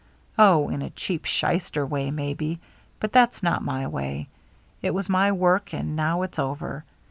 Oh, in a cheap, shyster way, maybe ; but that's not my way. It was my work and now it's over.